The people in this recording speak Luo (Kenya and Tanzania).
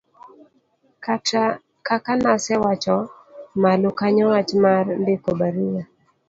kaka nasewacho malo kanyo wach mar ndiko barua